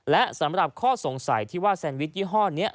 และสำหรับข้อสงสัยที่ว่าแซนวิชยี่ห้อนี้